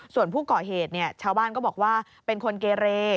ส่วนผู้ก่อเหตุชาวบ้านก็บอกว่าเป็นคนเกเร